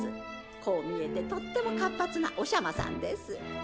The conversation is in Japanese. こう見えてとっても活発なおしゃまさんです。